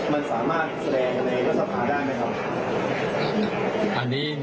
มันสามารถแสดงอะไรรัฐสภาได้ไหมครับ